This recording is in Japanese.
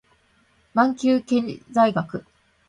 マンキュー経済学